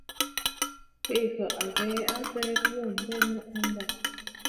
Kwèʼefɔ̀ à ghɛ̀ɛ a abɛɛ bɨ̀bùʼù benə̀ a ndâ.